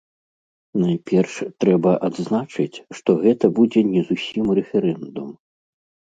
Найперш, трэба адзначыць, што гэта будзе не зусім рэферэндум.